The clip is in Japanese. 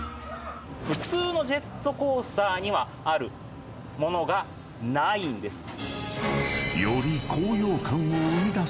普通のジェットコースターにはあるものがないんです。ですね。